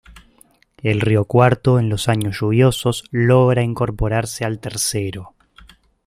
El río Cuarto, en los años lluviosos, logra incorporarse al Tercero.